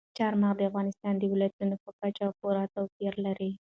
چار مغز د افغانستان د ولایاتو په کچه پوره توپیر لري.